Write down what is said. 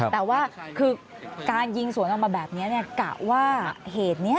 แต่ว่าคือการยิงสวนออกมาแบบนี้กะว่าเหตุนี้